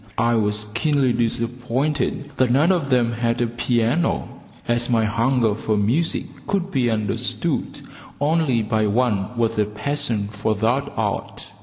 I was keenly disappointed that none of them had a piano, as my hunger for music could be understood only by one with a passion for that art.